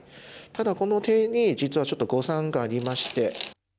ただこの手に実はちょっと誤算がありまして。